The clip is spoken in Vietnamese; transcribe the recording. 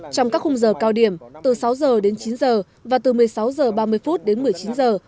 trong các khung giờ cao điểm từ sáu giờ đến chín giờ và từ một mươi sáu giờ ba mươi phút đến một mươi chín giờ